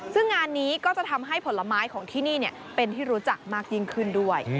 ซึ่งงานนี้ก็จะทำให้ผลไม้ของที่นี่เป็นที่รู้จักมากยิ่งขึ้นด้วย